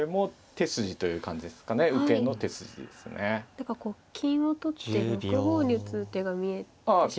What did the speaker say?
何かこう金を取って６五に打つ手が見えてしまうんですけど。